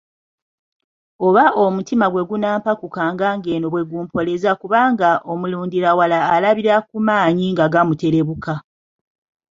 Oba omutima gwe gunampakukanga ng'eno bwe gumpoleza kubanga omulundirawala alabira ku maanyi nga gamuterebuka!